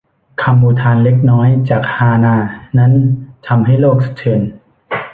คำอุทานเล็กน้อยจากฮานาด์นั้นทำให้โลกสะเทือน